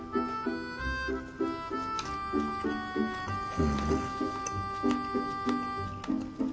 うん。